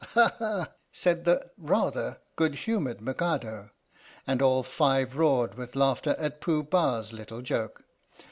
"Ha! ha!" said the (rather) good humoured Mikado. And all five roared with laughter at Pooh Bah's little joke.